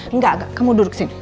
enggak kamu duduk sini